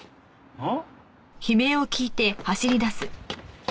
あっ！